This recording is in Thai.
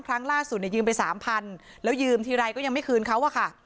ครั้งล่าสุดยืมไป๓๐๐๐บาทแล้วยืมทีไรก็ยังไม่คืนเขา